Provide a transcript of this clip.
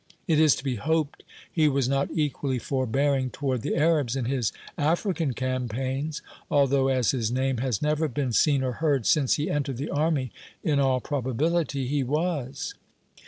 "It is to be hoped he was not equally forbearing toward the Arabs in his African campaigns, although, as his name has never been seen or heard since he entered the army, in all probability he was."